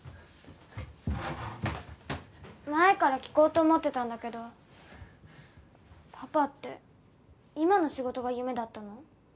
前から聞こうと思ってたんだけどパパって今の仕事が夢だったの？